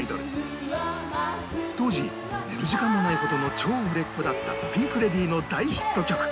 当時寝る時間もないほどの超売れっ子だったピンク・レディーの大ヒット曲